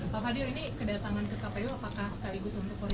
pak hadir ini kedatangan ke kpu apakah sekaligus untuk koordinasi dengan komisioner